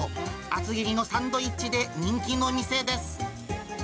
厚切りのサンドイッチで人気の店です。